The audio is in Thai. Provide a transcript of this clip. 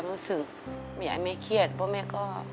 แม่สาไม่เคยจะบอก